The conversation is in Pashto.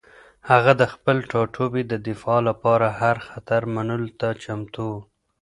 هغه د خپل ټاټوبي د دفاع لپاره هر خطر منلو ته چمتو و.